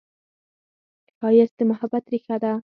ښایست د محبت ریښه ده